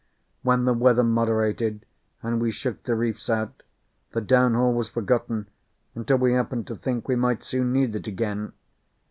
When the weather moderated, and we shook the reefs out, the downhaul was forgotten until we happened to think we might soon need it again.